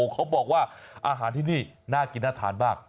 เขาบอกว่าอาหารที่นี่น่ากินน่าทานมาก